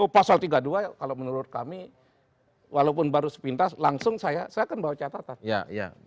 pasal tiga puluh dua kalau menurut kami walaupun baru sepintas langsung saya akan bawa catatan